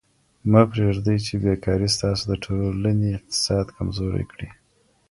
مه پرېږدئ چي بې کاري ستاسو د ټولني اقتصاد کمزوری کړي.